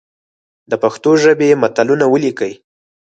د پښتو ژبي متلونه ولیکئ!